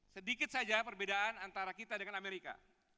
sedikit saja perbedaan antara kita dengan amerika